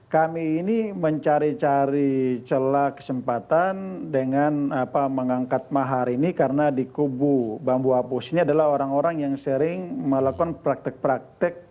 kami ini mencari cari celah kesempatan dengan mengangkat mahar ini karena di kubu bambu apus ini adalah orang orang yang sering melakukan praktek praktek